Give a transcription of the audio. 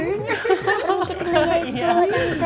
sama sama ya bu tante